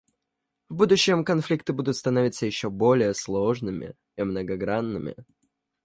В будущем конфликты будут становиться еще более сложными и многогранными.